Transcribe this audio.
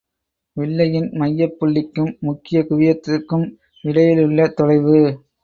வில்லையின் மையப் புள்ளிக்கும் முக்கிய குவியத்திற்கும் இடையிலுள்ள தொலைவு.